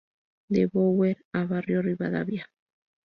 De Bower a barrio Rivadavia.